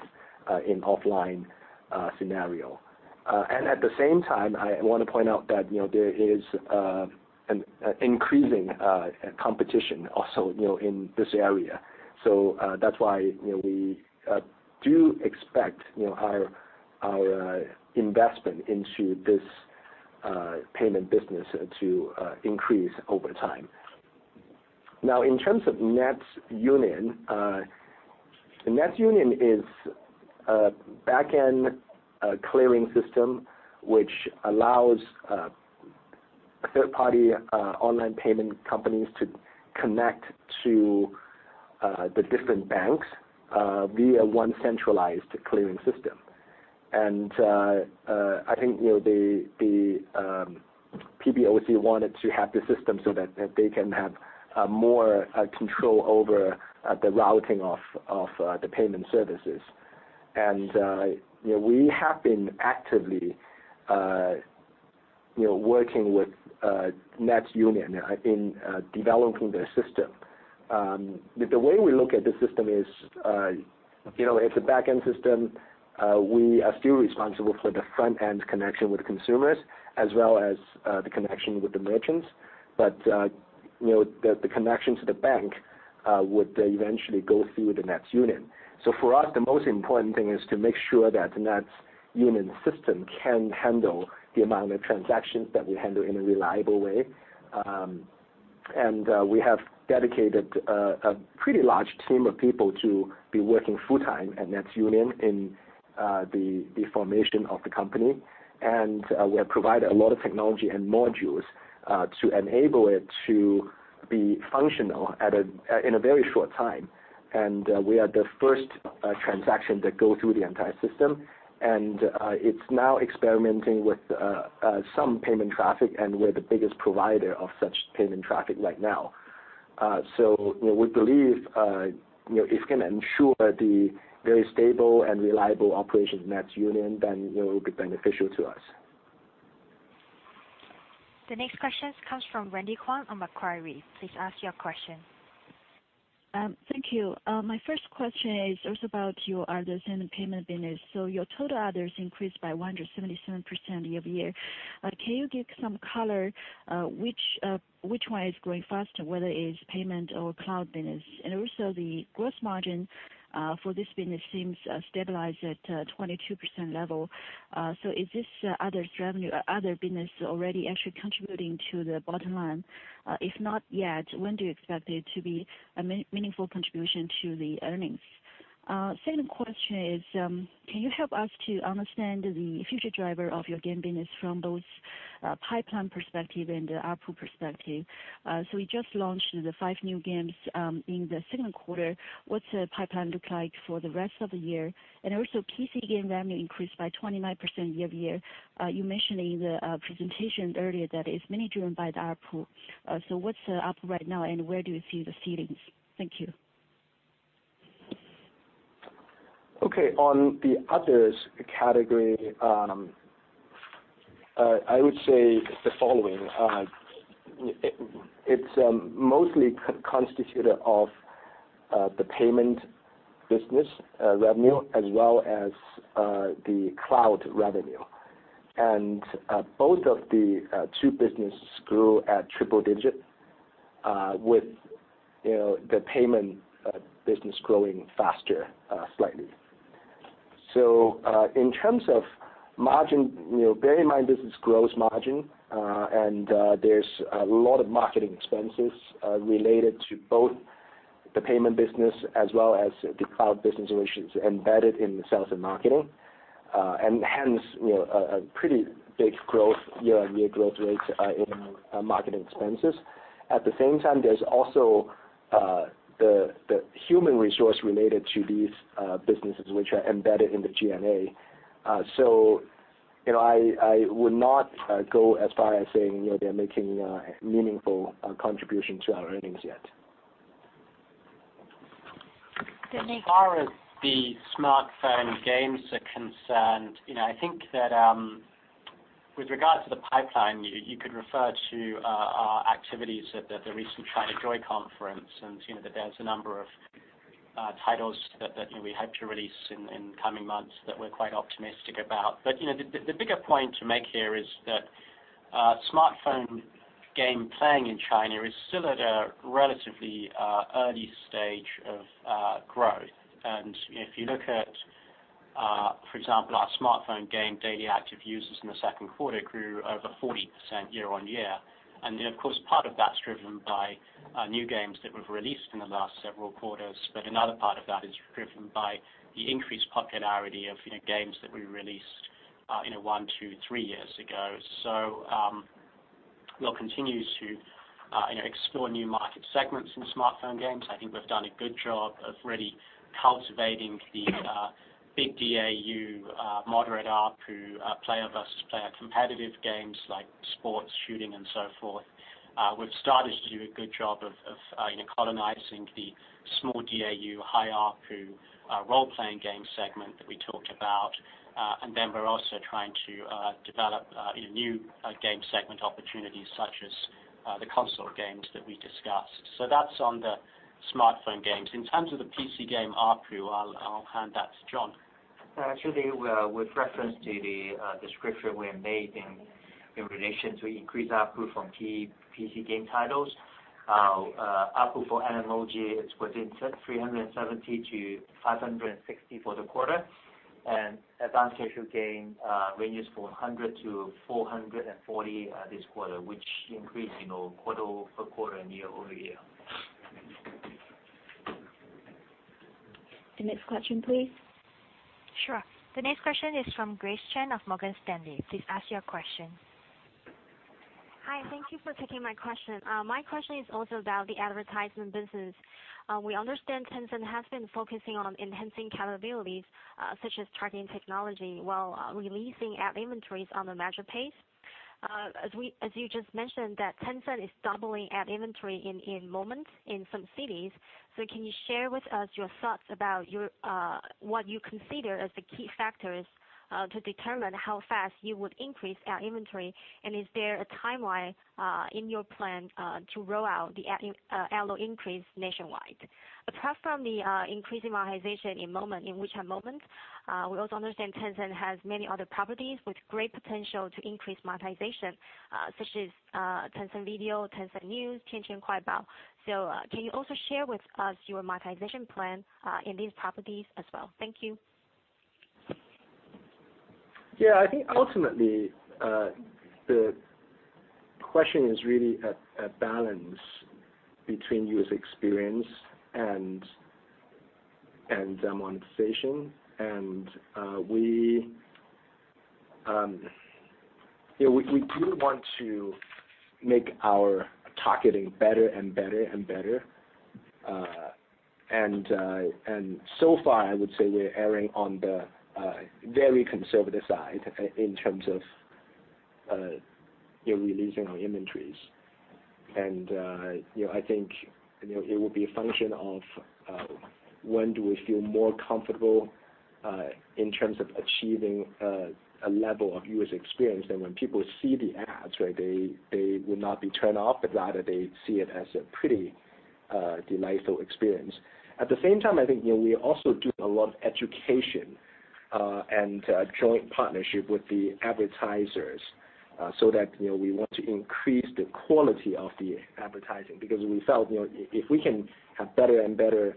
D: in offline scenario. At the same time, I want to point out that there is an increasing competition also in this area. That is why we do expect our investment into this payment business to increase over time. Now, in terms of NetsUnion is a back-end clearing system, which allows third-party online payment companies to connect to the different banks via one centralized clearing system. I think the People's Bank of China wanted to have the system so that they can have more control over the routing of the payment services. We have been actively working with NetsUnion in developing their system. The way we look at the system is, it is a back-end system. We are still responsible for the front-end connection with consumers, as well as the connection with the merchants. But the connection to the bank would eventually go through the NetsUnion. For us, the most important thing is to make sure that NetsUnion system can handle the amount of transactions that we handle in a reliable way. We have dedicated a pretty large team of people to be working full-time at NetsUnion in the formation of the company. We have provided a lot of technology and modules to enable it to be functional in a very short time. We are the first transaction to go through the entire system, and it is now experimenting with some payment traffic, and we are the biggest provider of such payment traffic right now. We believe if we can ensure the very stable and reliable operations NetsUnion, then it will be beneficial to us.
A: The next question comes from Wendy Huang on Macquarie. Please ask your question.
L: Thank you. My first question is also about your other payment business. Your total others increased by 177% year-over-year. Can you give some color which one is growing faster, whether it is payment or cloud business? Also the gross margin for this business seems stabilized at 22% level. Is this other business already actually contributing to the bottom line? If not yet, when do you expect it to be a meaningful contribution to the earnings? Second question is, can you help us to understand the future driver of your game business from both pipeline perspective and ARPU perspective? We just launched the five new games in the second quarter. What is the pipeline look like for the rest of the year? Also, PC game revenue increased by 29% year-over-year. You mentioned in the presentation earlier that it is mainly driven by the ARPU. What's the ARPU right now, and where do you see the ceilings? Thank you.
D: Okay, on the others category, I would say the following. It's mostly constituted of the payment business revenue as well as the cloud revenue. Both of the two businesses grew at triple digit, with the payment business growing faster, slightly. In terms of margin, bear in mind, this is gross margin, and there's a lot of marketing expenses related to both the payment business as well as the cloud business, which is embedded in the sales and marketing. Hence, a pretty big year-on-year growth rate in marketing expenses. At the same time, there's also the human resource related to these businesses, which are embedded in the G&A. I would not go as far as saying they're making a meaningful contribution to our earnings yet.
L: Dennis.
E: As far as the smartphone games are concerned, I think that with regard to the pipeline, you could refer to our activities at the recent ChinaJoy Conference, there's a number of titles that we hope to release in the coming months that we're quite optimistic about. The bigger point to make here is that smartphone game playing in China is still at a relatively early stage of growth. If you look at, for example, our smartphone game daily active users in the second quarter grew over 40% year-on-year. Of course, part of that's driven by new games that we've released in the last several quarters, but another part of that is driven by the increased popularity of games that we released one to three years ago. We'll continue to explore new market segments in smartphone games. I think we've done a good job of really cultivating the big DAU moderate ARPU player versus player competitive games like sports, shooting, and so forth. We've started to do a good job of colonizing the small DAU high ARPU role-playing game segment that we talked about. Then we're also trying to develop new game segment opportunities, such as the console games that we discussed. That's on the smartphone games. In terms of the PC game ARPU, I'll hand that to John.
F: Actually, with reference to the description we have made in relation to increased ARPU from PC game titles, ARPU for MMOG is within 370-560 for the quarter, and advanced casual game ranges from 100-440 this quarter, which increased quarter-over-quarter and year-over-year.
B: The next question, please.
A: Sure. The next question is from Grace Chen of Morgan Stanley. Please ask your question.
M: Hi. Thank you for taking my question. My question is also about the advertisement business. We understand Tencent has been focusing on enhancing capabilities, such as targeting technology, while releasing ad inventories on a measured pace. As you just mentioned that Tencent is doubling ad inventory in Moments in some cities. Can you share with us your thoughts about what you consider as the key factors to determine how fast you would increase ad inventory? Is there a timeline in your plan to roll out the ad load increase nationwide? Apart from the increasing monetization in WeChat Moments, we also understand Tencent has many other properties with great potential to increase monetization, such as Tencent Video, Tencent News, Tian Tian Kuai Bao. Can you also share with us your monetization plan in these properties as well? Thank you.
D: I think ultimately, the question is really a balance between user experience and monetization. We do want to make our targeting better and better. So far, I would say we're erring on the very conservative side in terms of releasing our inventories. I think it will be a function of when do we feel more comfortable in terms of achieving a level of user experience that when people see the ads, they will not be turned off, but rather they see it as a pretty delightful experience. At the same time, I think we also do a lot of education and joint partnership with the advertisers so that we want to increase the quality of the advertising. We felt if we can have better and better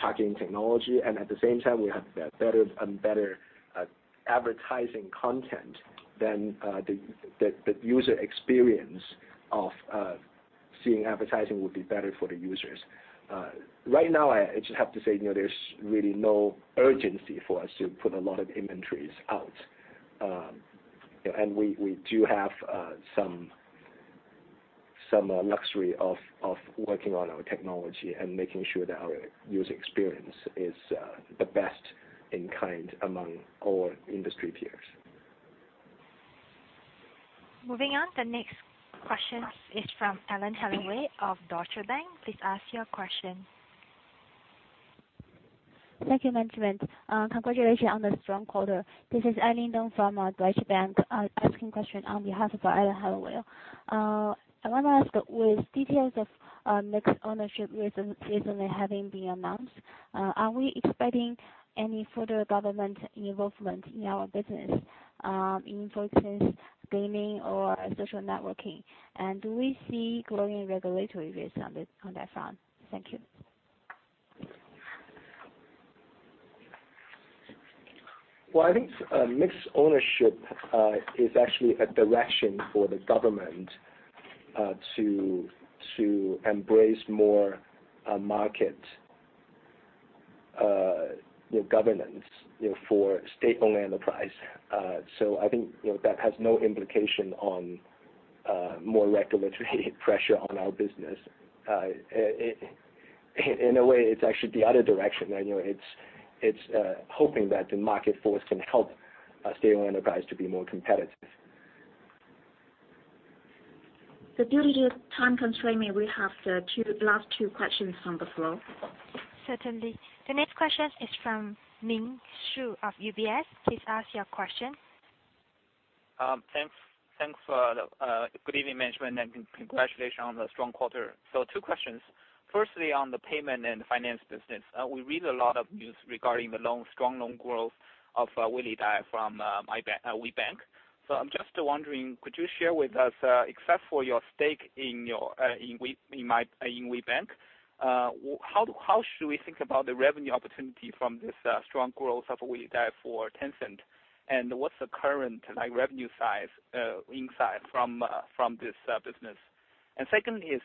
D: targeting technology, and at the same time we have better and better advertising content, then the user experience of seeing advertising would be better for the users. Right now, I just have to say, there's really no urgency for us to put a lot of inventories out. We do have some luxury of working on our technology and making sure that our user experience is the best in kind among all industry peers.
A: Moving on. The next question is from Alan Hellawell of Deutsche Bank. Please ask your question.
N: Thank you, management. Congratulations on the strong quarter. This is Annie Dong from Deutsche Bank, asking question on behalf of Alan Hellawell. I want to ask, with details of mixed ownership recently having been announced, are we expecting any further government involvement in our business, in, for instance, gaming or social networking? Do we see growing regulatory risk on that front? Thank you.
D: Well, I think mixed ownership is actually a direction for the government to embrace more market governance for state-owned enterprise. I think that has no implication on more regulatory pressure on our business. In a way, it's actually the other direction. It's hoping that the market force can help state-owned enterprise to be more competitive.
B: Due to time constraint, may we have the last two questions on the floor?
A: Certainly. The next question is from Ming Xu of UBS. Please ask your question.
O: Good evening, management, congratulations on the strong quarter. Two questions. Firstly, on the payment and finance business, we read a lot of news regarding the strong loan growth of Weilidai from WeBank. I'm just wondering, could you share with us except for your stake in WeBank, how should we think about the revenue opportunity from this strong growth of Weilidai for Tencent? What's the current revenue size inside from this business? Second is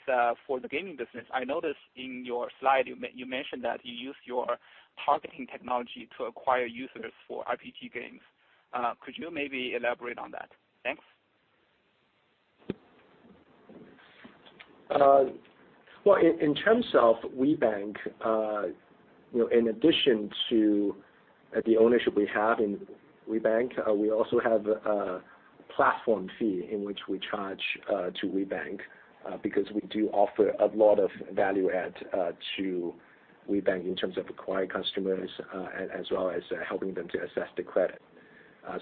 O: for the gaming business. I noticed in your slide, you mentioned that you use your targeting technology to acquire users for RPG games. Could you maybe elaborate on that? Thanks.
D: In terms of WeBank, in addition to the ownership we have in WeBank, we also have a platform fee in which we charge to WeBank, because we do offer a lot of value add to WeBank in terms of acquiring customers, as well as helping them to assess the credit. As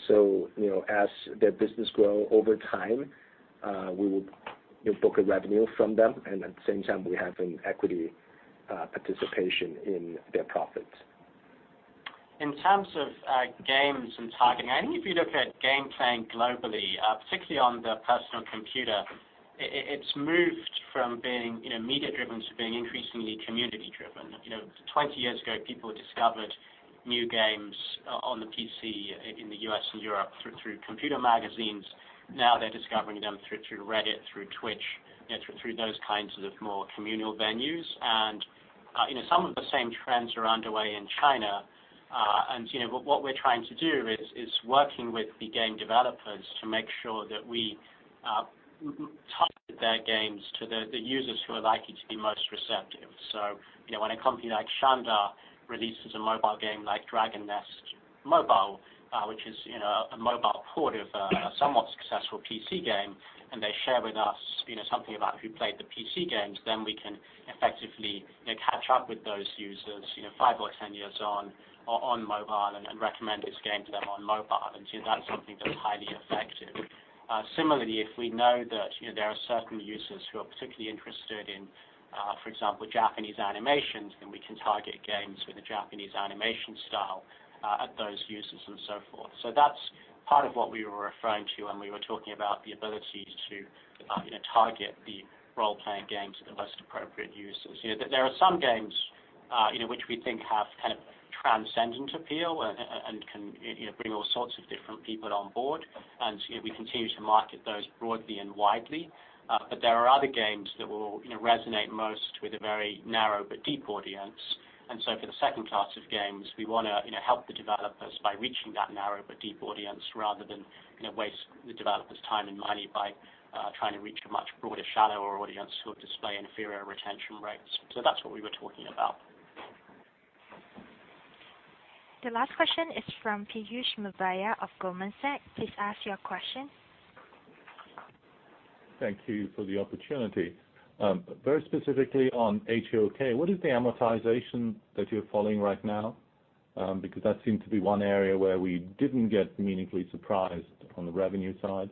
D: their business grow over time, we will book a revenue from them, and at the same time, we have an equity participation in their profits.
E: In terms of games and targeting, I think if you look at game playing globally, particularly on the personal computer, it's moved from being media-driven to being increasingly community-driven. 20 years ago, people discovered new games on the PC in the U.S. and Europe through computer magazines. Now they're discovering them through Reddit, through Twitch, through those kinds of more communal venues. Some of the same trends are underway in China. What we're trying to do is working with the game developers to make sure that we target their games to the users who are likely to be most receptive. When a company like Shanda releases a mobile game like Dragon Nest Mobile, which is a mobile port of a somewhat successful PC game, and they share with us something about who played the PC games, then we can effectively catch up with those users, 5 or 10 years on mobile and recommend this game to them on mobile. That's something that's highly effective. Similarly, if we know that there are certain users who are particularly interested in, for example, Japanese animations, then we can target games with a Japanese animation style at those users and so forth. That's part of what we were referring to when we were talking about the ability to target the role-playing games at the most appropriate users. There are some games which we think have kind of transcendent appeal and can bring all sorts of different people on board. We continue to market those broadly and widely. There are other games that will resonate most with a very narrow but deep audience. For the second class of games, we want to help the developers by reaching that narrow but deep audience rather than waste the developers' time and money by trying to reach a much broader, shallower audience who would display inferior retention rates. That's what we were talking about.
A: The last question is from Piyush Mubayi of Goldman Sachs. Please ask your question.
P: Thank you for the opportunity. Very specifically on AOK, what is the amortization that you're following right now? That seemed to be one area where we didn't get meaningfully surprised on the revenue side.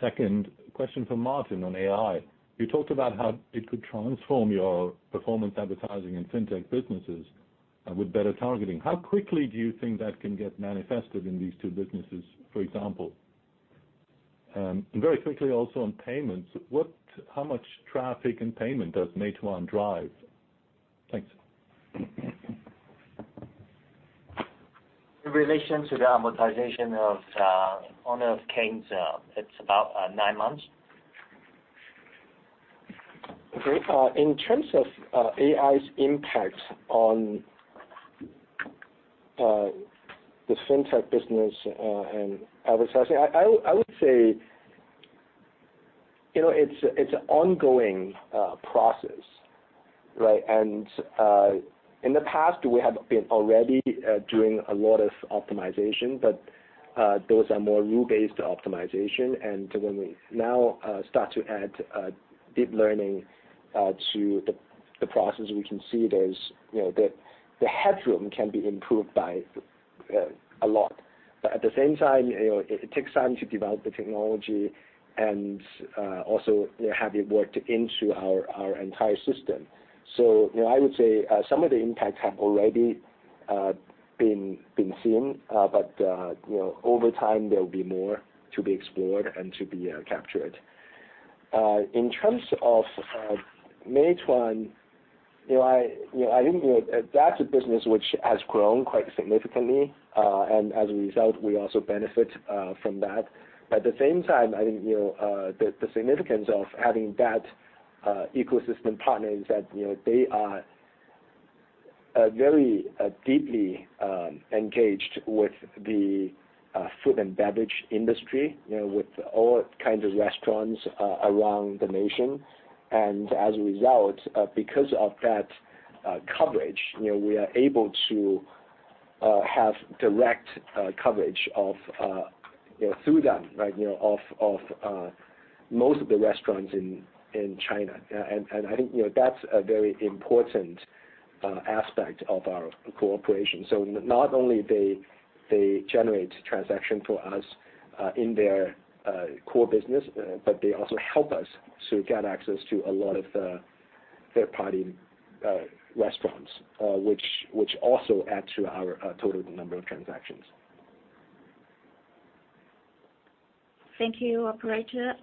P: Second question for Martin on AI. You talked about how it could transform your performance advertising and fintech businesses with better targeting. How quickly do you think that can get manifested in these two businesses, for example? Very quickly also on payments, how much traffic and payment does Meituan drive? Thanks.
F: In relation to the amortization of Honor of Kings, it's about nine months.
D: Okay. In terms of AI's impact on the fintech business and advertising, I would say it's an ongoing process, right? In the past, we have been already doing a lot of optimization, but those are more rule-based optimization. When we now start to add deep learning to the process, we can see there's the headroom can be improved by a lot. At the same time, it takes time to develop the technology and also have it worked into our entire system. I would say some of the impacts have already been seen, but over time, there will be more to be explored and to be captured. In terms of Meituan, that's a business which has grown quite significantly, and as a result, we also benefit from that. At the same time, I think the significance of having that ecosystem partner is that they are very deeply engaged with the food and beverage industry with all kinds of restaurants around the nation. As a result, because of that coverage, we are able to have direct coverage through them of most of the restaurants in China. I think that's a very important aspect of our cooperation. Not only they generate transaction for us in their core business, but they also help us to get access to a lot of the third-party restaurants, which also add to our total number of transactions.
B: Thank you, operator.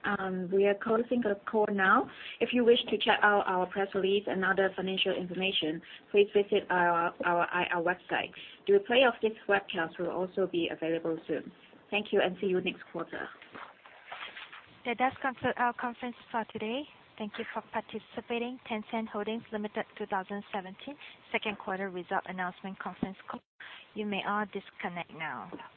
B: We are closing the call now. If you wish to check out our press release and other financial information, please visit our IR website. The replay of this webcast will also be available soon. Thank you and see you next quarter.
A: That does conclude our conference for today. Thank you for participating. Tencent Holdings Limited 2017 second quarter result announcement conference call. You may all disconnect now.